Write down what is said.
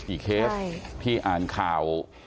เคสที่อ่านข่าว